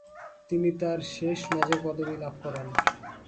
তিনি তার শেষ মেজর পদবি লাভ করেন।